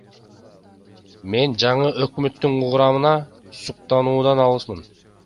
Мен жаңы өкмөттүн курамына суктануудан алысмын.